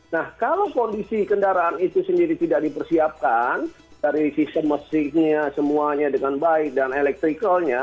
nah kalau kondisi kendaraan itu sendiri tidak dipersiapkan dari sistem mesinnya semuanya dengan baik dan elektrikalnya